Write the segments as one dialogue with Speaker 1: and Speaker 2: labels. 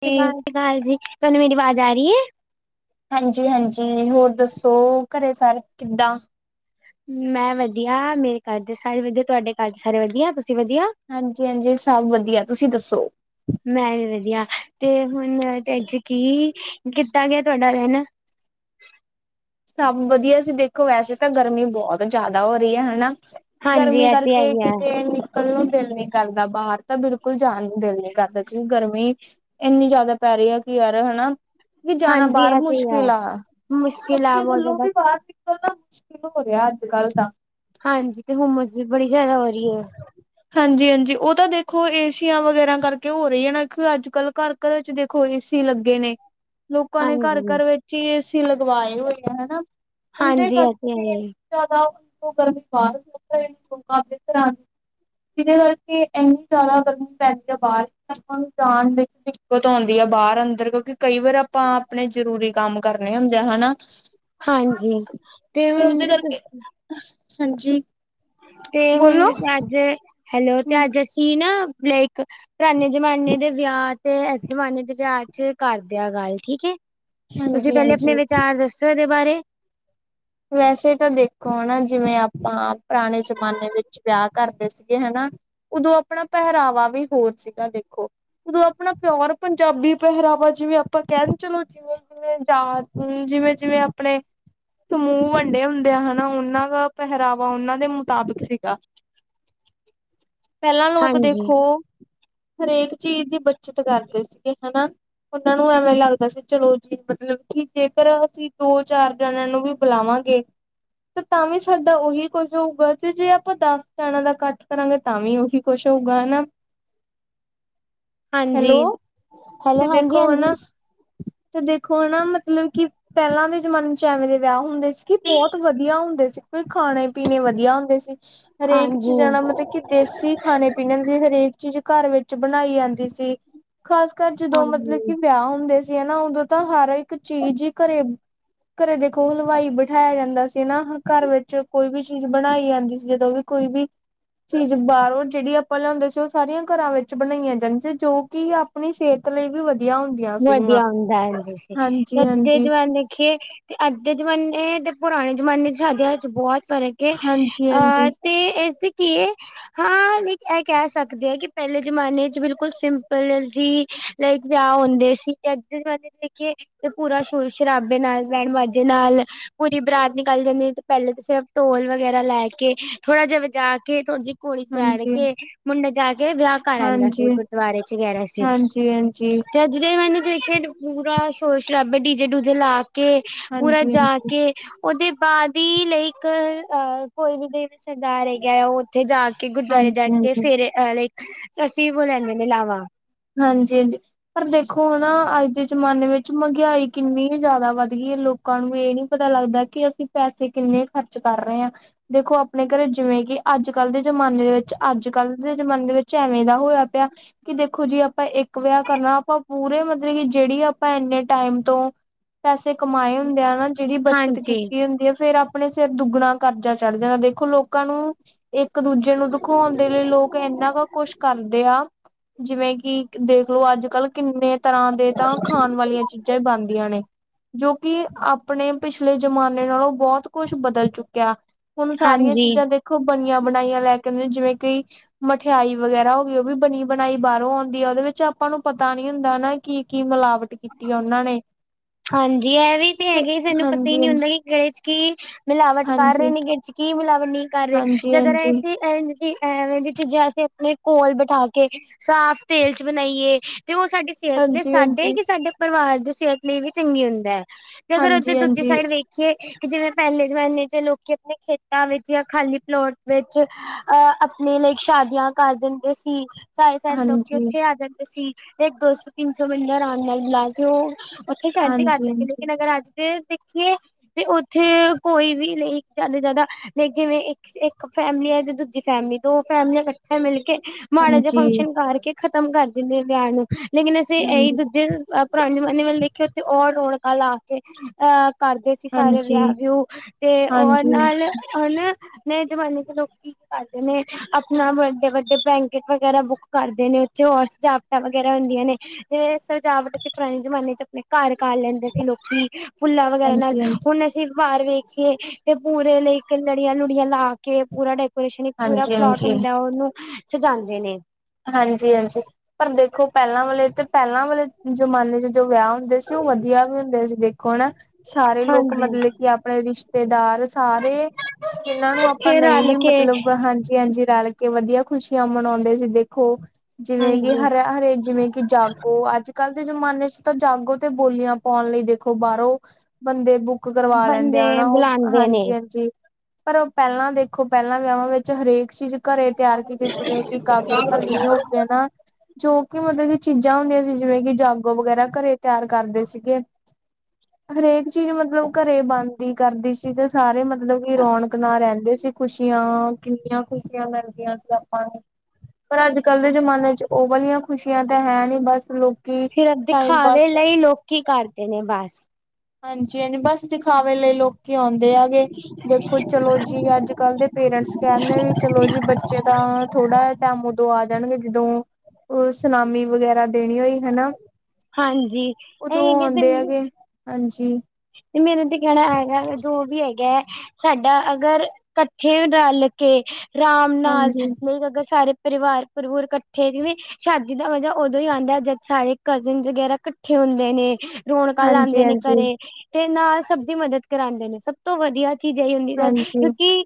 Speaker 1: ਸਤਿ ਸ੍ਰੀ
Speaker 2: ਜੀ
Speaker 1: ਅਕਾਲ, ਸ੍ਰੀ ਅਕਾਲ ਜੀ ਤੁਹਾਨੂੰ ਮੇਰੀ ਆਵਾਜ਼ ਆ ਰਹੀ ਹੈ?
Speaker 2: ਹਾਂਜੀ-ਹਾਂਜੀ, ਹੋਰ ਦੱਸੋ ਘਰੇ ਸਾਰੇ ਕਿੱਦਾਂ?
Speaker 1: ਮੈਂ ਵਧੀਆ, ਮੇਰੇ ਘਰ ਦੇ ਸਾਰੇ ਵਧੀਆ, ਤੁਹਾਡੇ ਘਰ ਦੇ ਸਾਰੇ ਵਧੀਆ? ਤੁਸੀਂ ਵਧੀਆ?
Speaker 2: ਹਾਂਜੀ-ਹਾਂਜੀ, ਸਭ ਵਧੀਆ। ਤੁਸੀਂ ਦੱਸੋ
Speaker 1: ਮੈਂ ਵੀ ਵਧੀਆ, ਤੇ ਹੁਣ ਤੇ ਅੱਜ ਕੀ ਕੀਤਾ ਗਿਆ, ਤੁਹਾਡਾ ਦਿਨ।
Speaker 2: ਸਭ ਵਧੀਆ ਸੀ, ਦੇਖੋ ਵੈਸੇ ਤਾਂ ਗਰਮੀ ਬਹੁਤ ਜ਼ਿਆਦਾ ਹੋ ਰਹੀ ਹੈ ਹਨਾ।
Speaker 1: ਹਾਂਜੀ
Speaker 2: ਗਰਮੀ
Speaker 1: ਇਹ ਤੇ ਹੈ
Speaker 2: ਕਰਕੇ
Speaker 1: ਹੀ ਹੈ,
Speaker 2: ਕਿਤੇ ਨਿਕਲ ਨੂੰ ਦਿਲ ਨੀ ਕਰਦਾ ਬਾਹਰ, ਤਾਂ ਬਿਲਕੁਲ ਜਾਣ ਨੂੰ ਦਿਲ ਨੀ ਕਰਦਾ, ਕਿਉਕਿ ਗਰਮੀ ਇੰਨੀ ਜ਼ਿਆਦਾ ਪੈ ਕਿ ਯਾਰ ਹਨਾ, ਕਿ ਜਾਣਾ
Speaker 1: ਹਾਂਜੀ
Speaker 2: ਬਾਹਰ
Speaker 1: ਇਹ ਤੇ ਹੈ,
Speaker 2: ਮੁਸ਼ਕਿਲ ਆ।
Speaker 1: ਮੁਸ਼ਕਿਲ ਆ
Speaker 2: ਪੱਖੇ
Speaker 1: ਬਹੁਤ
Speaker 2: ਥੱਲੋਂ
Speaker 1: ਜ਼ਿਆਦਾ।
Speaker 2: ਵੀ ਬਾਹਰ ਨਿਕਲਨਾ ਮੁਸ਼ਕਿਲ ਹੋ ਰਿਹਾ, ਅੱਜ- ਕੱਲ ਤਾਂ।
Speaker 1: ਹਾਂਜੀ, ਤੇ ਹੁਮਸ ਵੀ ਬੜੀ ਜਿਆਦਾ ਹੋ ਰਹੀ ਏ
Speaker 2: ਹਾਂਜੀ -ਹਾਂਜੀ, ਉਹ ਤਾਂ ਦੇਖੋ ਏਸੀਆਂ ਵਗੈਰਾ ਕਰਕੇ ਹੋ ਰਹੀ ਏ, ਨਾ ਕਿਉਂ ਅੱਜ ਕੱਲ੍ਹ ਘਰ -ਘਰ ਵਿੱਚ ਦੇਖੋ ਏਸੀ ਲੱਗੇ ਨੇ ਲੋਕਾਂ ਨੇ
Speaker 1: ਹਾਂਜੀ।
Speaker 2: ਘਰ-ਘਰ ਵਿੱਚ, ਇ ਏਸੀ ਲਗਵਾਏ ਹੋਏ ਆ ਹਨਾ-
Speaker 1: ਹਾਂਜੀ ਇਹ ਤੇ ਹੈ ਹੀ, ਹੈ।
Speaker 2: [unintelligible] ਜਿੱਦੇ ਕਰਕੇ ਏਨੀ ਜਿਆਦਾ ਗਰਮੀ ਪੈਂਦੀ ਏ, ਬਾਹਰ ਆਪਾਂ ਨੂੰ ਜਾਣ ਵਿੱਚ ਦਿੱਕਤ ਆਉਂਦੀ ਬਾਰ ਅੰਦਰ, ਕਿਉਂਕਿ ਕਈ ਵਾਰ ਆਪਾਂ ਅਪਨੇ ਜਰੂਰੀ ਕੰਮ ਕਰਨੇ ਹੁੰਦੇ ਆ ਹਨਾ।
Speaker 1: ਹਾਂਜੀ ਤੇ ਹੁਨ
Speaker 2: ਹਾਜੀ
Speaker 1: ਤੇ ਹੁਣ ਅੱਜ ਹੈਲੋ ਤੇ ਅੱਜ ਅਸੀਂ ਨਾ ਲਾਇਕ ਪਰਾਨੇ ਜਮਾਨੇ ਦੇ ਵਿਆਹ ਤੇ ਇਸ ਜਮਾਨੇ ਦੇ ਵਿਆਹ ਫਿਰ ਕਰਦਿਆ ਗੱਲ ਠੀਕ ਏ, ਤੁਸੀਂ ਪੈਲੇ ਅਪਨੇ
Speaker 2: ਹਾਂਜੀ-ਹਾਂਜੀ
Speaker 1: ਵਿਚਾਰ ਦੱਸੋ ਇਦੇ ਬਾਰੇ।
Speaker 2: ਵੈਸੇ ਤਾਂ ਦੇਖੋ ਹਨਾ। ਜਿਵੇਂ ਆਪਾਂ ਪਰਾਣੇ ਜਮਾਨੇ ਵਿੱਚ ਵਿਆਹ ਕਰਦੇ ਸੀਗੇ ਹੈਨਾ। ਉਦੋਂ ਆਪਣਾ ਪਹਿਰਾਵਾ ਵੀ ਹੋਰ ਸੀਗਾ, ਦੇਖੋ ਉਦੋਂ ਆਪਣਾ ਪਿਓਰ ਪੰਜਾਬੀ ਪਹਿਰਾ ਆਪਾਂ ਜਿਵੇਂ ਆਪਾਂ ਕਹਿਣ ਚਲੋ, ਜਿਵਂ ਜਿਵੇਂ ਜਾ ਜਿਵੇਂ ਜਿਵੇਂ ਅਪਨੇ ਸਮੂ ਵੰਡੇ ਹੁੰਦੇ ਆ ਹਨਾ। ਉਨਾਂ ਦਾ ਪਹਿਰਾਵਾ ਉਨਾਂ ਦੇ ਮੁਤਾਬਿਕ ਸੀਗਾ।
Speaker 1: [inaudible] [inaudible]
Speaker 2: ਪੈਲਾਂ ਲੋਕ
Speaker 1: ਹਾਂਜੀ
Speaker 2: ਦੇਖੋ ਹਰੇਕ ਚੀਜ਼ ਦੀ ਬੱਚਤ ਕਰਦੇ ਸੀਗੇ ਹਨਾ। ਉਨਾਂ ਨੂੰ ਐਵੇਂ ਲੱਗਦਾ ਸੀ, ਚਲੋ ਜੀ ਮਤਲਬ ਕਿ ਜੇਕਰ ਅਸੀਂ ਦੋ ਚਾਰ ਜਨੇ ਨੂੰ ਵੀ ਬਲਾਵਾਂਗੇ ਤੇ ਤਾਂ ਵੀ ਸਾਡਾ ਉਹੀ ਕੁਸ਼ ਹੋਊਗਾ, ਤੇ ਜੇ ਆਪਾਂ ਦੱਸ ਜਾਣਾ ਦਾ ਕੱਠ ਕਰਾਂਗੇ ਤਾਂ ਵੀ ਉਹੀ ਕੁਸ਼ [unintelligible] [inaudible]
Speaker 1: ਹਾਂਜੀ,
Speaker 2: ਤੇ
Speaker 1: ਹੈਲੋ ਹਾਂਜੀ
Speaker 2: ਦੇਖੋ ਹਨਾ
Speaker 1: ਹਾਂਜੀ
Speaker 2: ਤੇ ਦੇਖੋ ਨਾ ਮਤਲਬ ਕਿ ਪੈਲਾਂ ਦੇ ਜਮਾਨੇ ਚ ਐਵੇਂ ਦੇ ਵਿਆਹ ਹੁੰਦੇ ਸੀ ਕਿ ਬਹੁਤ ਵਧੀਆ ਹੁੰਦੇ ਸੀ। ਖਾਣੇ ਪੀਣੇ ਵਧੀਆ ਹੁੰਦੇ ਸੀ। ਹਰੇਕ ਚੀਜ਼
Speaker 1: ਹਾਂਜੀ
Speaker 2: ਹੈਨਾ ਮਤਲਬ ਕਿ ਦੇਸੀ ਖਾਣੇ ਪੀਣੇ ਦੀ ਹਰੇਕ ਚੀਜ਼ ਘਰ ਵਿੱਚ ਬਨਾਈ ਯਾਂਦੀ ਸੀ। ਖਾਸ ਕਰ ਜਦੋਂ ਮਤਲਬ
Speaker 1: ਹਾਂਜੀ
Speaker 2: ਕਿ ਵਿਆਹ ਹੁੰਦੇ ਸੀ ਨਾ ਉਦੋਂ ਤਾਂ ਹਰ ਇੱਕ ਚੀਜ਼ ਈ ਘਰੇ ਘਰੇ ਵਿਚ ਕੋਲ ਹਲਵਾਈ ਬਿਠਾਇਆ ਜਾਂਦਾ ਸੀ ਨਾ, ਘਰ ਵਿੱਚ ਕੋਈ ਵੀ ਚੀਜ਼ ਬਣਾਈ ਜਾਂਦੀ ਸੀ ਜਦੋਂ ਵੀ ਕੋਈ ਵੀ ਚੀਜ਼ ਬਾਰੋਂ ਜੇੜੀਂ ਆਪਾਂ ਲਿਆਉਂਦੇ ਸੀ। ਉਹ ਸਾਰੀ ਘਰਾਂ ਵਿੱਚ ਬਨਾਈਆਂ ਜਾਂਦੀ, ਜੋ ਕਿ ਆਪਣੀ ਸਿਹ ਲਈ ਵੀ ਵਧਿ
Speaker 1: ਵਧੀਆ ਹੁੰਦਾ। [unintelligible]
Speaker 2: ਹਾਂਜੀ
Speaker 1: ਅੱਜ
Speaker 2: ਹਾਂਜੀ
Speaker 1: ਦੇ ਜ਼ਮਾਣੇ ਤੇ ਪੁਰਾਨੇ ਜ਼ਮਾਣੇ ਚ [unintelligible] ਬਹੁਤ ਫਰਕ ਏ,
Speaker 2: ਹਾਂਜੀ
Speaker 1: ਤੇ ਏਸਦੇ ਕੀ ਏ ਹਾਂ ਇਹ ਕਹਿ ਸਕਦੇ ਕਿ ਪੈਲੇ ਜਮਾਨੇ ਚ ਬਿਲਕੁਲ ਸਿੰਪਲ ਜੀ ਲਾਈਕ ਵਿਆਹ ਹੁੰਦ ਸੀ ਤੇ ਅੱਜ ਦੇ ਜਮਾਨੇਂ ਚ ਦੇਖਿਏ ਪੂਰਾ ਸ਼ੌਰ ਸ਼ਰਾਬੇ ਨਾਲ, ਬੈਂਡ ਵਾਜ਼ੇ ਨਾਲ, ਪੂਰੀ ਬ ਨਿਕਾਲੀ ਜਾਂਦੀ ਏ, ਤੇ ਪੈਲੇਂ ਤੇ ਸਿਰਫ਼ ਟੌਲ ਵਗੈਰਾ ਲੈ ਕੇ ਥੋੜਾ ਜਾਂ ਵਜਾ ਕੇ ਥੋੜਾ ਜੀ ਕੋੜੀ ਚਾੜ
Speaker 2: ਹਾਂਜੀ
Speaker 1: ਕੇ, ਮੁੰਡੇ ਜਾ ਕੇ, ਵਿਆਹ ਕਰ ਲੈਂਦਾ ਸੀ,
Speaker 2: ਹਾਂਜੀ ਹਾਂਜੀ
Speaker 1: ਗੁਰਦੁਆਰੇ
Speaker 2: ਹਾਂਜੀ ਹਾਂਜੀ ਹਾਂਜੀ।
Speaker 1: ਜਦ ਦੇ ਮੈਨੂੰ ਦੇਖ ਕੇ ਪੂਰਾ ਸ਼ੌਰ-ਸ਼ਰਾਬਾ, ਡੀਜੇ-ਡੂਜੇ ਲਾ ਕੇ ਕੇ ਪੂਰਾ ਜਾ
Speaker 2: ਹਾਂਜੀ
Speaker 1: ਕੇ ਉੱਦੇ [unintelligible] ਇੱਕ ਅਹ ਕੋਈ ਵੀ ਦੇਵ ਸਰਦਾਰ ਹੈਗਾ ਏ। ਉਹ ਉੱਥੇ ਜਾ ਕੇ [inaudible] ਗੁਰਦੁਆਰੇ ਜਾ
Speaker 2: ਹਾਂਜੀ
Speaker 1: ਕੇ
Speaker 2: ਹਾਂਜੀ
Speaker 1: ਫੇਰ ਅ ਲਈਕ ਅਸੀਂ [unintelligible] ਲੈਂਦੇ ਨੇ ਲਾਵਾਂ।
Speaker 2: ਹਾਂਜੀ, ਪਰ ਦੇਖੋ ਨਾ, ਅੱਜ ਦੇ ਜ਼ਮਾਨੇ ਵਿੱਚ ਮੰਗਾਆਈ ਕਿੰਨੀ ਜ਼ਾਦਾ ਵੱਧ ਗਈ ਏ ਲੋਕ ਲੋਕਾਂ ਨੂੰ ਏ ਨੀ ਪਤਾ ਲੱਗਦਾ ਕਿ, ਅਸੀਂ ਪੈਸੇ ਕਿੰਨੇ ਖਰਚ ਕਰ ਰਹੇ ਆਂ। ਦੇਖੋ ਆਪਣੇ ਘਰੇ ਜਿਵੇਂ ਕਿ ਅੱਜ ਕੱਲ੍ਹ ਦੇ ਜਮਾਨੇ ਦੇ ਵਿਚ, ਅੱਜ ਕੱਲ੍ਹ ਦੇ ਜਮਾਨੇ ਦੇ ਵਿੱਚ ਏਵੇਂ ਦਾ ਹੋਇਆ ਪਿਆ ਕਿ ਦੇਖੋ ਦੇਖੋ ਜੀ ਆਪਾਂ ਇੱਕ ਵਿਆਹ ਕਰਨਾ, ਆਪਾਂ ਪੂਰੇ ਮਤਲਬ ਕਿ ਜੇੜੀਂ ਆਪਾਂ ਇੰਨੇ ਟਾਈਮ ਤੋਂ ਪੈਸੇ ਕਮਾਏ ਹੁੰਦੇ ਆ ਨਾ ਜਿਹੜੀ ਬੱਚਤ
Speaker 1: ਹਾਂਜੀ
Speaker 2: ਕੀਤੀ ਹੁੰਦੀ ਏ ।ਫੇਰ ਅਪਣੇ ਸਿਰ ਦੁੱਗਣਾ ਕਰਜ਼ਾ ਚੜ ਜਾਂਦਾ ਦੇਖੋ ਲੋਕਾਂ ਨੂੰ ਇੱਕ ਦੂਜੇ ਨੂੰ ਦਖਾਉਣ ਦੇ ਲਈ ਲੋਕ ਇੰਨਾ ਕੁ ਕੁਸ਼ ਕਰਦੇ ਆ ਜਿਵੇਂ ਕਿ ਇਕ ਦੇਖਲੋ ਅੱਜ ਕੱਲ ਕਿੰਨੇ ਤਰ੍ਹਾਂ ਦੇ ਤਾਂ ਖਾਨ ਵਾਲੀਆਂ ਚੀਜ਼ਾਂ ਈ ਬਨਦੀਆਂ ਨੇ। ਜੋ ਕਿ ਆਪਣੇ ਪਿਛਲੇ ਜ਼ਮਾਨੇ ਨਾਲੋਂ ਬੋਤ ਕੁਛ ਬਦਲ ਚੁੱਕਿਆ। ਹੁਣ ਸਾਰੀਆਂ
Speaker 1: ਹਾਂਜੀ
Speaker 2: ਚੀਜ਼ਾਂ ਦੇਖੋ ਬਨੀਆਂ ਬਣਾਈਆਂ ਲੈ ਕੇ ਕਹਿੰਦੇ ਜਿਵੇਂ ਕਈ ਮਠਿਆਈ ਵਗੈਰਾ ਹੋ ਗਈ ਉਹ ਵੀ ਬਨੀ ਬ ਮਲਾਈ ਬਾਹਰੋਂ ਆਉਂਦੀ ਆ। ਉਹਦੇ ਵਿੱਚ ਆਪਾਂ ਨੂੰ ਪਤਾ ਨੀ ਹੁੰਦਾ ਨਾ ।ਕੀ, ਕੀ ਮਿਲਾਵਟ ਕੀਤੀ ਏ ਉਹਨਾਂ ਨੇ।
Speaker 1: [inaudible] [inaudible] ਹਾਂਜੀ ਇਹ ਵੀ ਤੇ ਹੈਗੇ ਸਾਨੂੰ ਪਤਾ ਹੀ ਨਹੀਂ ਹੁੰਦਾ ਕਿ ਕੇੜੇ ਚ ਕੀ ਮਿਲਾਵਟ ਕਰ ਰਹੇ
Speaker 2: ਹਾਂਜੀ
Speaker 1: ਨੇ ਕੇੜੇ ਚ ਕੀ ਨਹੀਂ ਕਰ ਰਹੇ
Speaker 2: ਹਾਂਜੀ
Speaker 1: ਜਦੋਂ
Speaker 2: ਹਾਂਜੀ
Speaker 1: ਅਸੀ ਐਨਜੀ ਦੀ ਐਵੇਂ ਦੀ ਰੀਜਾ ਅਸੀਂ ਆਪਣੇ ਕੋਲ ਬਿਠਾ ਕੇ ਸਾਫ ਤੇਲ ਚ ਬਣਾਈਏ ਤੇ ਉਹ ਸਾਡੀ ਸਿਹਤ ਨੇ ਸਾਡੇ
Speaker 2: ਹਾਂਜੀ
Speaker 1: ਕਿ ਪਰਿਵਾਰ ਦੀ ਸਿਹਤ ਲਈ ਵੀ ਚੰਗੀ ਹੁੰਦਾ ਹੈ ।ਤੇ ਅਗਰ ਉਹਦੇ
Speaker 2: ਹਾਂਜੀ
Speaker 1: ਦੂਜੀੇ
Speaker 2: ਹਾਂਜੀ
Speaker 1: ਸਾਈਡ ਵੇਖੀਏ ਜਿਵੇਂ ਪਹਿਲੇ ਜਮਾਨੇ ਚ ਲੋਕੀ ਆਪਣੇ ਖੇਤਾਂ ਵਿੱਚ ਜਾਂ ਖਾਲੀ ਪਲੋਟ ਵਿੱਚ ਅਹ ਆਪਣੇ ਲ ਸ਼ਾਦੀਆਂ ਕਰ ਦਿੰਦੇ ਸੀ। ਸਾਰੇ ਸਾਰੇ ਲੋਕੀ
Speaker 2: ਹਾਂਜੀ ਹਾਂਜੀ
Speaker 1: ਉੱਥੇ ਆ ਜਾਂਦੇ ਸੀ ਤੇ ਇੱਕ ਦੋ ਸੌ ਤਿੰਨ ਸੌ ਬੰਦਾ ਆਰਾਮ ਨਾਲ ਬੁਲਾ ਲਓ । ਉੱਥੇ ਸ਼ਾਦੀ
Speaker 2: ਹਾਂਜੀ
Speaker 1: ਕਰਦੇ ਸੀ
Speaker 2: ਹਾਂਜੀ
Speaker 1: ਲੇਕਿਨ ਅਗਰ ਅੱਜ ਦੇ ਦੇਖੀਏ ਤੇ ਉੱਥੇ ਕੋਈ ਵੀ ਲਈ ਜਿਆਦਾ -ਜਿਆਦਾ ਦੇ ਜਿਵੇਂ ਇੱਕ ਇੱਕ ਫੈਮਿਲੀ ਹੈ ਤੇ ਦੂਜੀ ਫੈਮਿਲੀ ਦੋ ਫੈਮਲੀ ਇਕੱਠੇ ਮਿਲ ਕੇ ਮਾੜਾ ਜਿਹਾ
Speaker 2: ਹਾਂਜੀ ਹਾਂਜੀ
Speaker 1: ਫੰਕਸ਼ਨ ਕਰਕੇ ਖ਼ਤਮ ਕਰ ਦਿੰਦੇ ਆ ਵਿਆਹ ਨੂੰ ਲੇਕਿਨ ਅਸੀਂ ਇਹੀ
Speaker 2: ਹਾਂਜੀ
Speaker 1: ਦੂਜੇ ਪੁਰਾਣੇ ਜਮਾਨੇ ਵੱਲ ਦੇਖੀਏ ਉਥੇ ਉਹ ਔਰ ਰੋਣਕਾ ਲਾ ਕੇ ਅ ਕਰਦੇ ਸੀ ਸਾਰੇ ਵਿਆਹ
Speaker 2: ਹਾਂਜੀ
Speaker 1: ਵਿਊ ਤੇ ਉਹ
Speaker 2: ਹਾਂਜੀ
Speaker 1: ਨਾਲ
Speaker 2: ਹਾਂਜੀ
Speaker 1: ਹੁਣ ਨਵੇ ਜਮਾਨੇ ਚ ਲੋਕ ਕੀ ਕਰਦੇ ਨੇ ਆਪਣਾ ਵੱਡੇ -ਵੱਡੇ ਬੈਂਕਟ ਵਗੈਰਾ ਬੁੱਕ ਕਰਦੇ ਨੇ ਉੱਥੇ। ਹੋਰ ਸਜਾਵਟਾਂ ਵਗੈਰਾ ਹੁੰਦੀਆਂ ਨੇ ਜ। ਸਜਾਵਟ ਅਸੀਂ ਪੁਰਾਣੇ ਜਮਾਨੇ ਚ ਆਪਣੇ ਘਰ ਕਰ ਲੈਂਦੇ ਸੀ ਲੋਕੀ ਫੁੱਲਾਂ ਵਗੈਰਾ ਨਾਲ
Speaker 2: ਹਾਂਜੀ ਹਾਂਜੀ
Speaker 1: ਹੁਣ ਅਸੀਂ। ਵਾਰ ਵੇਖ ਕੇ ਤੇ ਪੂਰੇ ਲਈ ਇੱਕ ਲੜੀਆਂ ਲੁੜੀਆਂ ਲਾ ਕੇ ਪੂਰਾ ਡਕੋ ਸਪੈਸ਼ਲੀ ਪੂਰਾ
Speaker 2: ਹਾਂਜੀ
Speaker 1: ਪਲੋਟ ਹੁੰਦਾ ਉਹਨੂੰ ਸਜਾਉਦੇ ਨੇ।
Speaker 2: ਹਾਂਜੀ-ਹਾਂਜੀ, ਪਰ ਦੇਖੋ ਪਹਿਲਾਂ ਵਾਲੇ ਤੇ ਪਹਿਲਾਂ ਵਾਲੇ ਜ਼ਮਾਨੇ ਚ ਜੋ ਵਿਆਹ ਹੁੰਦੇ ਸੀ। ਉਹ ਵਧੀਆ ਵੀ ਹੁੰਦੇ ਸੀ। ਹੁਣ ਸਾਰੇ ਲੋਕ
Speaker 1: ਹਾਂਜੀ
Speaker 2: ਮਤਲਬ ਕਿ ਆਪਣੇ ਰਿਸ਼ਤੇਦਾਰ ਸਾਰੇ ਜਿਹਨਾਂ ਨੂੰ ਆਪਾਂ
Speaker 1: ਫੇਰ
Speaker 2: ਨਹੀਂ
Speaker 1: ਰਲ
Speaker 2: ਵੀ
Speaker 1: ਕੇ
Speaker 2: ਮਤਲਬ ਹਾਂਜੀ-ਹਾਂਜੀ ਰਲ ਕੇ ਵਧੀਆ। ਖੁਸ਼ੀਆਂ ਮਨਾਉਂਦੇ ਸੀ ਦੇਖੋ। ਜਿਵੇਂ ਕਿ
Speaker 1: ਹਾਂਜੀ
Speaker 2: ਹਰੇ ਹਰੇ ਜਿਵੇਂ ਕਿ ਜਾਗੋ ਅੱਜ ਕੱਲ੍ਹ ਦੇ ਜ਼ਮਾਨੇ ਤਾਂ ਜਾਗੋ ਤੇ ਬੋਲੀਆਂ ਪਾਉਣ ਲਈ ।ਦੇਖੋ ਬਾਹਰੋਂ ਬੰਦੇ ਕਰਵਾ ਲੈਂਦੇ
Speaker 1: ਬੰਦੇ
Speaker 2: ਆ। ਹੈਨਾ ਉਹ
Speaker 1: ਬੁਲਾਉਂਦੇ ਨੇ
Speaker 2: ਹਾਂਜੀ ਹਾਂਜੀ। ਪਰ ਪਹਿਲਾਂ ਦੇਖੋ ਪਹਿਲਾਂ ਵਿਆਹਾਂ ਵਿੱਚ ਹਰੇਕ ਚੀਜ਼ ਘਰੇ ਤਿਆਰ ਕੀਤੀ। ਜਿਵੇਂ ਕਿ ਕਾਗਰ। ਕਰਨ ਹੋ ਗ ਨਾ ਜੋ ਕਿ ਮਤਲਬ ਕਿ ਚੀਜ਼ਾਂ ਹੁੰਦੀਆਂ ਸੀ। ਜਿਵੇਂ ਕਿ ਜਾਗੋ ਵਗੈਰਾ ਘਰੇ ਤਿਆਰ ਕਰਦੇ ਸੀਗੇ ਹਰੇਕ ਚੀਜ਼ ਮਤਲਬ ਘਰੇ ਬੰਣਦੀ ਕਰਦੀ ਸੀ। ਤੇ ਸਾਰੇ ਮਤਲਬ ਕਿ ਰੌਣਕ ਨਾਲ ਰਹਿੰਦੇ ਸੀ ।ਖੁਸ਼ੀਆਂ ਕਿੰਨੀਆਂ ਖੁਸ਼ ਖ਼ੁਸ਼ੀਆਂ ਮਿਲਦੀਆਂ ਸੀ ਆਪਾਂ ਨੂੰ ਪਰ ਅੱਜ ਕੱਲ ਦੇ ਜਮਾਨੇ ਚ ਉਹ ਵਾਲੀਆਂ ਖੁਸ਼ੀਆਂ ਤਾਂ ਹੈ ਨੀ। ਬਸ ਲੋਕ
Speaker 1: ਸਿਰਫ ਦਿਖਾਵੇ ਲਈ ਲੋਕੀ ਕਰਦੇ ਨੇ ਬਸ
Speaker 2: ਹਾਂਜੀ, ਬਸ ਦਿਖਾਵੇ ਲਈ ਲੋਕ ਕੀ ਆਉਂਦੇ ਹੈਗੇ ਦੇਖੋ ਚਲੋ ਜੀ ਅੱਜ ਕੱਲ ਦੇ ਪੇਰੈਂਟਸ ਕਹਿੰਦੇ ਵੀ ਚਲੋ ਜੀ ਬੱਚੇ ਤਾਂ ਹਾ ਥੋੜਾ ਓ ਜਾਣਗੇ ਜਦੋਂ ਸੁਨਾਮੀ ਵਗੈਰਾ ਦੇਣੀ ਹੋਈ ਹਨਾ।
Speaker 1: ਹਾਂਜੀ
Speaker 2: ਉਦੋਂ ਆਦੇ
Speaker 1: ਇਹ
Speaker 2: ਹੈਗੇ ਹਾਂਜੀ।
Speaker 1: ਤੇ ਮੇਨੂੰ ਤੇ ਕਹਿਣਾ ਹੈਗਾ। ਜੋ ਵੀ ਹੈਗਾ ਹੈ ਸਾਡਾ ਅਗਰ ਕੱਠੇ ਰਲ ਕੇ ਆਰਾਮ ਨਾਲ
Speaker 2: ਹਾਂਜੀ
Speaker 1: ਨਹੀਂ ਅਗਰ ਸਾਰੇ ਪਰਿਵਾਰ ਜਰੂਰ ਇਕੱਠੇ ਜਿਵੇ ਸ਼ਾਦੀ ਦਾ ਮਜ਼ਾ ਉਦੋਂ ਹੀ ਆਉਂਦਾ। ਜਦੋਂ ਸਾਰੇ ਕਜ਼ਨ ਵਗੈਰਾ ਇਕੱਠੇ ਹੁੰਦੇ ਨੇ। ਰੌਣਕਾਂ
Speaker 2: ਹਾਂਜੀ
Speaker 1: ਲਾਦੇ ਨੇ
Speaker 2: ਹਾਂਜੀ
Speaker 1: ਘਰੇ ਦੇ ਨਾਲ ਸਭ ਦੀ ਮਦਦ ਕਰਾਉਂਦੇ ਨੇ ਸਭ ਤੋਂ ਵਧੀਆ। ਚੀਜ਼ਾਂ ਹੀ ਹੁੰਦੀ ਹੈ
Speaker 2: ਹਾਂਜੀ
Speaker 1: ਕਿਉਂਕਿ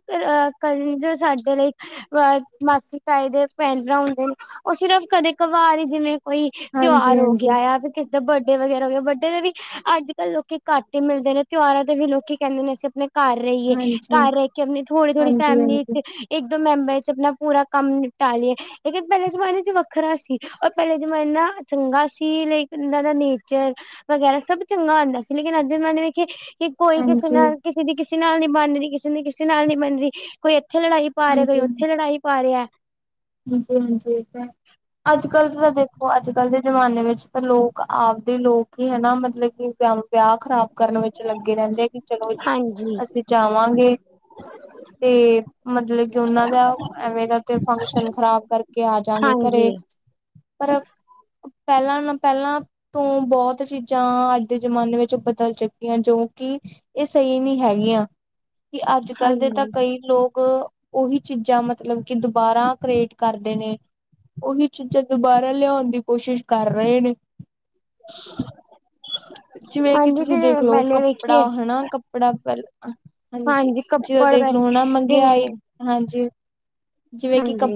Speaker 1: ਕਰਨ ਸਾਡੇ ਲਈ ਅਹ ਮਾਸੀ ਤਾਏ ਦੇ ਭੈਣ ਭਰਾ ਹੁੰਦੇ ਨੇ ਉਹ ਸਿਰਫ ਕਦੇ ਘਵਾਰ ਹੀ ਜਿਵੇਂ ਕੋਈ
Speaker 2: ਹਾਂਜੀ
Speaker 1: ਤਿਉਹਾਰ ਹੋ ਗਿਆ
Speaker 2: ਹਾਂਜੀ
Speaker 1: ਆ ਫਿਰ ਕਿਸੇ ਦਾ ਬਰਡੇ ਵਗੈਰਾ ਹੋ ਗਿਆ, ਬਰਡੇ ਦੇ ਵੀ ਅੱਜ ਕੱਲ੍ਹ ਲੋਕੀ ਘੱਟ ਹੀ ਮਿਲਦੇ ਨੇ ਤਿਉਹਾਰਾਂ ਦੇ ਵੀ ਲੋਕੀ ਕਹਿੰਦੇ ਨੇ ਅਸੀਂ ਆਪਣੇ ਘਰ ਰਹੀਏ
Speaker 2: ਹਾਂਜੀ
Speaker 1: ਘਰ ਰਹਿ ਕੇ ਆਪਣੀ ਥੋੜੀ-ਥੋੜ੍ਹੀ
Speaker 2: ਹਾਂਜੀ ਹਾਂਜੀ
Speaker 1: ਫੈਮਿਲੀ ਚ ਇੱਕ ਦੋ ਮੈਂਬਰ ਚ ਆਪਣਾ ਪੂਰਾ ਕੰਮ ਨਿਪਟਾਲਈਏ ਲੇਕਿਨ ਪਹਿਲੇ ਜਮਾਨੇ ਚ ਵੱਖਰਾ ਸੀ ਔਰ ਪਹਿਲੇ ਜ਼ਮਾਨਾ ਚੰਗਾ ਸੀ। ਤੇ ਇਕ ਉਹਨਾਂ ਦਾ ਨੇਚਰ ਵਗੈਰਾ ਸਭ ਚੰਗਾ ਹੁੰਦਾ। ਲੇਕਿਨ ਅੱਜ ਦੇ ਜ਼ਮਾਨੇ ਵੇਖੀਏ ਕਿ ਕੋਈ ਕਿਸੇ
Speaker 2: ਹਾਂਜੀ
Speaker 1: ਨਾਲ ਕਿਸੇ ਦੀ ਕਿਸੇ ਨਾਲ ਨਹੀਂ ਬਣਦੀ ਕਿਸੇ ਨੇ ਕਿਸੇ ਨਾਲ ਨਹੀਂ ਬਨਦੀ ਕੋਈ ਇੱਥੇ ਲੜਾਈ ਪਾ ਰਿਹਾ ਕੋਈ
Speaker 2: ਹਾਂਜੀ
Speaker 1: ਉੱਥੇ ਲੜਾਈ ਪਾ ਰਿਹਾ
Speaker 2: ਹਾਂਜੀ ਹਾਂਜੀ ਇਹ ਤਾਂ ਹੈ ਅੱਜਕੱਲ ਜ਼ਰਾ ਦੇਖੋ ਅੱਜ ਕੱਲ੍ਹ ਦੇ ਜਮਾਨੇ ਵਿੱਚ ਤਾਂ ਲੋਕ ਆਪਦੇ ਲੋਕ ਕੀ ਮਤਲਬ ਕਿ ਵਿ ਵਿਆਹ ਖ਼ਰਾਬ ਕਰਨ ਵਿੱਚ ਲੱਗੇ ਰਹਿੰਦੇ ਆ ਕਿ ਚਲੋ ਜੀ
Speaker 1: ਹਾਂਜੀ
Speaker 2: ਅਸੀਂ ਚਾਹਵਾਂਗੇ
Speaker 1: [inaudible]
Speaker 2: ਤੇ ਮਤਲਬ ਕਿ ਉਹਨਾਂ ਦਾ ਐਵੇਂ ਦਾ ਕੋਈ ਫੰਕਸ਼ਨ ਖ਼ਰਾਬ ਕਰਕੇ ਆ ਜਾਂਗੇ
Speaker 1: ਹਾਂਜੀ
Speaker 2: ਘਰੇ ਪਰ ਪਹਿਲਾਂ ਨਾ ਪਹਿਲਾਂ ਤੋਂ ਬਹੁਤ ਚੀਜ਼ਾਂ ਅੱਜ ਦੇ ਜ਼ਮਾਨੇ ਵਿੱਚ ਬਦਲ ਚੁੱਕੀਆਂ ਜੋ ਕਿ ਇਹ ਸਹੀ ਨਹੀਂ ਹੈਗੀਆਂ ਕਿ ਅੱਜ ਕੱਲ ਦੇ ਤਾਂ
Speaker 1: ਹਾਂਜੀ
Speaker 2: ਕਈ ਲੋਕ ਉਹੀ ਚੀਜ਼ਾਂ ਮਤਲਬ ਕਿ ਦੁਬਾਰਾ ਕ੍ਰੀਏਟ ਕਰਦੇ ਨੇ ਉਹੀ ਚੀਜ਼ਾਂ ਦੁਬਾਰਾ ਲਿਆਉਣ ਦੀ ਕੋਸ਼ਿਸ਼ ਕਰ ਰਹੇ ਨੇ
Speaker 1: [inaudible]
Speaker 2: ਜਿਵੇਂ ਕਿ
Speaker 1: ਹਾਂਜੀ
Speaker 2: ਤੁਸੀਂ
Speaker 1: ਜਿਵੇਂ
Speaker 2: ਦੇਖਲੋ
Speaker 1: ਪਹਿਲੇ
Speaker 2: ਕੱਪੜਾ
Speaker 1: ਵੇਖੀਏ
Speaker 2: ਹਨਾ ਕੱਪੜਾ ਪਹਿਲ ਹਾਂਜੀ ਜਦੋਂ
Speaker 1: ਕੱਪੜ
Speaker 2: ਦੇਖ
Speaker 1: ਪਹਿਲੇ
Speaker 2: ਲੋ ਨਾ ਮੰਗਿਆਈ
Speaker 1: ਜਿਵੇਂ
Speaker 2: ਹਾਂਜੀ ਜਿਵੇਂ ਕਿ ਤੁਸੀਂ
Speaker 1: ਹਾਂਜੀ।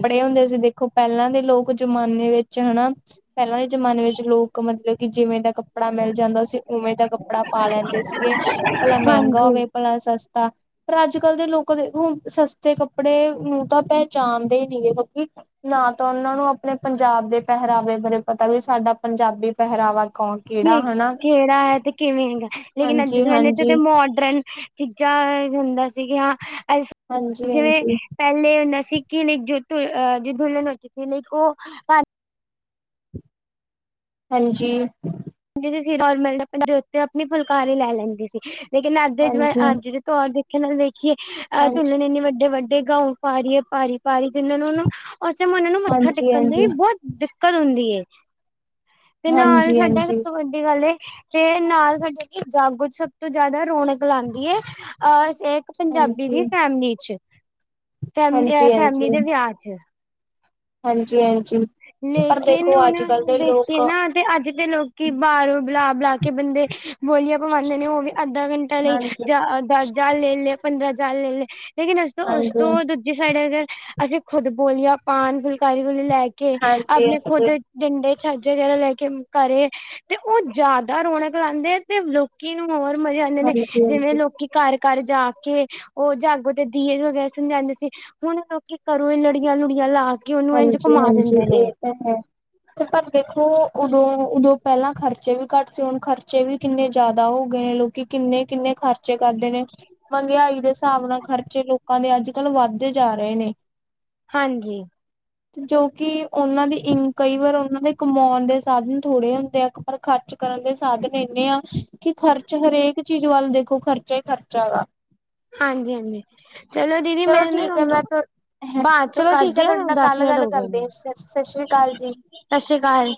Speaker 2: ਦੇਖਲੋ ਕੱਪੜਾ ਹਨਾ ਕੱਪੜਾ ਪਹਿਲਾਂ [unintelligible] ਦੇਖੋ ਪਹਿਲਾਂ ਦੇ ਲੋਕ ਜ਼ਮਾਨੇ ਵਿੱਚ ਹਨਾ ਪਹਿਲਾਂ ਦੇ ਜਮਾਨੇ ਵਿੱਚ ਲੋਕ ਮਤਲਬ ਕਿ ਜਿਵੇਂ ਦਾ ਕੱਪੜਾ ਮਿਲ ਜਾਂਦਾ ਸੀ ਉਵੇਂ ਦਾ ਕੱਪੜਾ ਪਾ ਲੈਂਦੇ ਸੀਗੇ ਭਲਾ ਮਹਿੰਗਾ
Speaker 1: ਹਾਂਜੀ
Speaker 2: ਹੋਵੇ ਭਲਾ ਸ ਸਸਤਾ ਪਰ ਅੱਜ ਕੱਲ ਦੇ ਲੋਕ ਦੇਖਲੋ ਸਸਤੇ ਕੱਪੜੇ ਨੂੰ ਤਾਂ ਪਹਿਚਾਣਦੇ ਹੀ ਕਿਉਂਕਿ ਨਾ ਤਾਂ ਉਹਨਾਂ ਨੂੰ ਆਪਣੇ ਪੰਜਾਬ ਦੇ ਪਹਿਰਾਵੇ ਬਾਰੇ ਪਤਾ ਵੀ ਸਾਡਾ ਪੰਜਾਬੀ ਪਹਿਰਾਵਾ ਕੌਣ ਕਿਹੜਾ
Speaker 1: ਕਿ
Speaker 2: ਹਨਾ
Speaker 1: ਕਿਹੜਾ ਹੈ ਤੇ ਕਿਵੇਂ ਹੈਗਾ ਲੇਕਿਨ ਅੱਜ ਦੇ
Speaker 2: ਹਾਂਜੀ
Speaker 1: ਜ਼ਮਾਨੇ 'ਚ
Speaker 2: ਹਾਂਜੀ
Speaker 1: ਤੇ ਮੋਡਰਨ ਚੀਜ਼ਾਂ ਹੁੰਦਾ ਸੀ ਕਿ ਹਾਂ
Speaker 2: ਹਾਂਜੀ
Speaker 1: [inaudible] ਜਿਵੇਂ
Speaker 2: ਹਾਂਜੀ
Speaker 1: ਪਹਿਲੇ ਹੁੰਦਾ ਸੀ ਕਿ ਲ ਜੋ ਜੋ ਦੁਲਨ ਹੋ ਲਕ ਉਹ [unintelligible]
Speaker 2: ਹਾਂਜੀ
Speaker 1: ਜ ਸੀ ਨਰਮਲਪ [inaudible] ਦੇ ਉੱਤੇ ਆਪਣੀ ਫੁਲਕਾਰੀ ਲੈ ਲੈਂਦੀ ਸੀ ਲੇਕਿਨ ਅੱਧ ਜ [unintelligible] ਮੈਂ
Speaker 2: ਹਾਂਜੀ
Speaker 1: ਅੱਜ ਦੇ ਤੌਰਰ ਦੇਖਣ ਨਾਲ ਦੇਖੀਏ ਅਹ ਤੁੁੱਲਨ ਇੰਨੇ ਵੱਡੇ ਵੱਡੇ ਗਾਊ ਪਾਰੀ ਹੈ ਪਾਰੀ ਪਾਰੀ ਜਿਹਨਾਂ ਨੂੰ ਉਹ ਅੇ ਮੁੰਡੇ ਨੂੰ ਮੱਥਾ
Speaker 2: ਹਾਂਜੀ
Speaker 1: ਟੇਕਣ ਲਈ
Speaker 2: ਹਾਂਜੀ
Speaker 1: ਬਹੁਤ ਕਲ ਹੁੰਦੀ ਹੈ ਤੇ ਨਾਲ
Speaker 2: ਹਾਂਜੀ ਹਾਂਜੀ
Speaker 1: ਸਾਡਾ
Speaker 2: ਹਾਂਜੀ
Speaker 1: ੇ [unintelligible] ਤੇ ਨਾਲ ਸਾਡੇ ਏ ਜਾਗੋ ਚ ਸਭ ਤੋਂ ਜ਼ਿਆਦਾ ਰੌਣਕ ਲਾਉਂਦੀ ਹੈ ਅਹ ਇੱਕ ਪੰਜਾਬੀ
Speaker 2: ਹਾਂਜੀ
Speaker 1: ਦੀ ਫੈਮਲੀ ਚ ਫੈਮ ਅਹ
Speaker 2: ਹਾਂਜੀ ਹਾਂਜੀ
Speaker 1: ਫੈਮਲੀ ਦੇ ਵਿਆਹ ਚ
Speaker 2: ਹਾਂਜੀ ਹਾਂਜੀ। ਪਰ
Speaker 1: ਲੇਕਿਨ
Speaker 2: ਦੇਖੋ
Speaker 1: ਹੁਣ
Speaker 2: ਅੱਜ ਕੱਲ ਦੇ ਲੋਕ
Speaker 1: ਵੇਖੀਏ ਨਾ ਤੇ ਅੱਜ ਦੇ ਲੋਕੀ ਬਾਰੋਂ ਬਲਾ ਬੁਲਾ ਕੇ ਬੰਦੇ ਬੋਲੀਆਂ ਪਵਾਉਂਦੇ ਨੇ ਉਹ ਵੀ ਅੱਧਾ ਘੰਟਾ ਲਈ
Speaker 2: ਹਾਂਜੀ ਹਾਂਜੀ
Speaker 1: ਜਾ ਦਸ ਹਜਾਰ ਲੈ ਲਿਆ ਪੰਦਰਾਂ ਹਜਾਰ ਲੈ ਲਿਆ ਲੇਕਿਨ ਉਸ ਤੋਂ ਉਸ
Speaker 2: ਹਾਂਜੀ
Speaker 1: ਤੋਂ ਦੂਜੀ ਸਾਈਡ ਅਗਰ ਅਸੀਂ ਖੁਦ ਬੋਲੀਆਂ ਪਾਨ ਫੁਲਕਾਰੀ ਵ ਲੈ ਕੇ
Speaker 2: ਹਾਂਜੀ
Speaker 1: ਆਪਣੇ ਖੁੱਦ
Speaker 2: ਹਾਂਜੀ
Speaker 1: ਡੰਡੇ ਛੱਜ ਵਗੈਰ ਲੈ ਕੇ ਘਰੇ ਤੇ ਉਹ ਜ਼ਿਆਦਾ ਰੌਣਕ ਲਾਉਂਦੇ ਆ ਤੇ ਲੋਕੀ ਨੂੰ ਹੋਰ ਮਜ਼ੇ ਆਉਂਦੇ ਨੇ ਜਿਵੇਂ
Speaker 2: ਹਾਂਜੀ
Speaker 1: ਲੋਕੀ ਘਰ ਘਰ ਜਾ ਕੇ ਉਹ ਜਾਗੋ ਤੇ ਦੀਏ ਵਗੈਰਾ ਸਮਝਾਉਂਦੇ ਸੀ ਹੁਣ ਲੋਕੀ ਘਰੋਂ ਇਹ ਲੜੀਆਂ ਲੁੜੀਆਂ ਲਾ ਕੇ ਉਹਨੂੰ ਇੰਝ ਘੁਮਾ
Speaker 2: ਹਾਂਜੀ-ਹਾਂਜੀ
Speaker 1: ਦਿੰਦੇ ਨੇ
Speaker 2: ਇਹ ਤਾਂ ਹੈ ਪਰ ਦੇਖੋ ਉਦੋਂ ਉਦੋਂ ਪਹਿਲਾਂ ਖਰਚੇ ਵੀ ਘੱਟ ਸੀ ਹੁਣ ਖਰਚੇ ਵੀ ਕਿੰਨੇ ਜ਼ਿਆਦਾ ਹੋ ਗਏ ਲੋਕੀ ਕਿੰਨੇ-ਕਿੰਨੇ ਖਰਚੇ ਕਰਦੇ ਨੇ। ਮਹਿੰਗਾਈ ਦੇ ਹਿਸਾਬ ਨਾਲ ਖਰਚੇ ਲੋਕਾਂ ਦੇ, ਅੱਜ ਕੱਲ੍ਹ ਵੱਧਦੇ ਜਾ ਰਹੇ ਨੇ
Speaker 1: ਹਾਂਜੀ।
Speaker 2: ਜੋ ਕਿ ਉਹਨਾਂ ਦੀ ਕਈ ਵਾਰ ਉਹਨਾਂ ਦੇ ਕਮਾਉਣ ਦੇ ਸਾਧਨ ਥੋੜ੍ਹੇ ਹੁੰਦੇ ਆ ਪਰ ਖਰਚ ਕਰਨ ਦੇ ਸਾਧਨ ਇੰਨੇ ਆ ਕਿ ਖਰਚ ਹਰੇਕ ਚੀਜ਼ ਵੱਲ ਦੇਖੋ ਖਰਚਾ ਹੀ ਖਰਚਾ ਵਾ।
Speaker 1: ਹਾਂਜੀ। ਹਾਂਜੀ। ਚਲੋ ਦੀਦੀ ਮੈਂ ਨਾ
Speaker 2: ਠੀਕ ਹੈ
Speaker 1: ਤੁੂੰ
Speaker 2: ਮੈਂ
Speaker 1: ਬਾਅਦ ਚੋਂ
Speaker 2: ਚਲੋ
Speaker 1: ਕਰ [unintelligible]
Speaker 2: ਠੀਕ ਹੈ
Speaker 1: ਵਧੀ
Speaker 2: ਤੁਹਾਡੇ ਨਾਲ
Speaker 1: ਦਸ
Speaker 2: ਕੱਲ
Speaker 1: ਮਿੰਟ
Speaker 2: ਗੱਲ
Speaker 1: ਹੋ ਗਏ ਨੇ।
Speaker 2: ਕਰਦੇ ਸਤਿ ਸ੍ਰੀ ਅਕਾਲ ਜੀ
Speaker 1: ਸਤਿ ਸ੍ਰੀ ਅਕਾਲ।